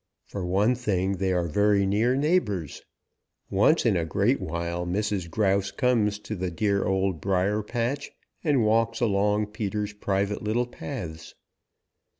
For one thing they are very near neighbors. Once in a great while Mrs. Grouse comes to the dear Old Briar patch and walks along Peter's private little paths.